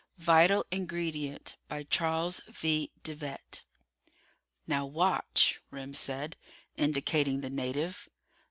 _ Vital Ingredient By Charles V. De Vet "Now watch," Remm said, indicating the native.